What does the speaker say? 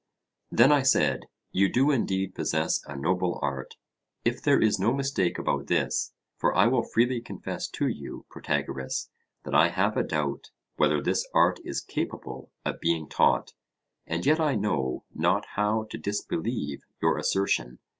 Then, I said, you do indeed possess a noble art, if there is no mistake about this; for I will freely confess to you, Protagoras, that I have a doubt whether this art is capable of being taught, and yet I know not how to disbelieve your assertion.